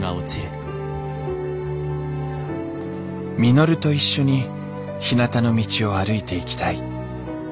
稔と一緒にひなたの道を歩いていきたい。